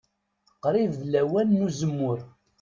Qrib d lawan n uzemmur.